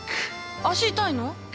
足痛いの？